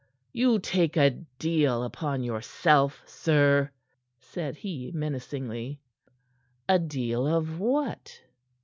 "You take a deal upon yourself, sir," said he menacingly. "A deal of what?"